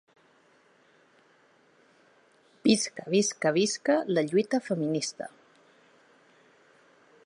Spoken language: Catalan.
Visca, visca, visca la lluita feminista!